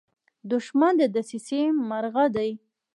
دښمن د دسیسې مرغه دی